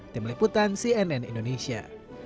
tim liputan cnn indonesia